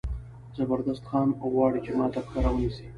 زبردست خان غواړي چې ما ته پښه را ونیسي.